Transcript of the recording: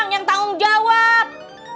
enger doang yang tanggung jawab